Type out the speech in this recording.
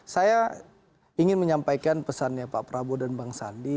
saya ingin menyampaikan pesannya pak prabowo dan bang sandi